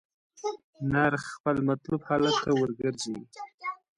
نرخ خپل مطلوب حالت ته ورګرځي.